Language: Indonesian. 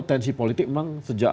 tensi politik memang sejak